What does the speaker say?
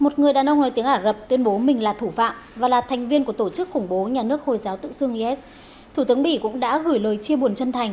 tôi đang ở copenhagen đan mạch